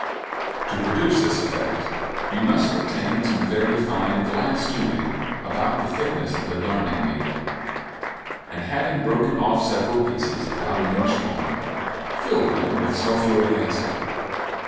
To produce this effect you must obtain some very fine glass tubing about the thickness of a darning needle, and having broken off several pieces about an inch long, fill them with sulphuric acid.